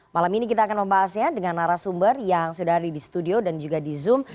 malam ini kita akan membahasnya dengan narasumber yang sudah ada di studio dan juga di zoom